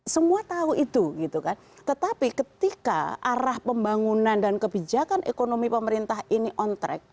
semua tahu itu gitu kan tetapi ketika arah pembangunan dan kebijakan ekonomi pemerintah ini on track